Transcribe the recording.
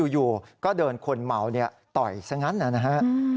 อยู่ก็โดนคนเมาต่อยซะงั้นนะฮะ